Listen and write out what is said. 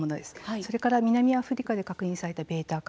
それから南アフリカで確認された「ベータ株」